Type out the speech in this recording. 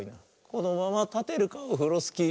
「このままたてるかオフロスキー」